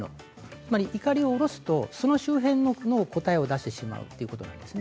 いかりを下ろすとその周辺の答えを出してしまうということです。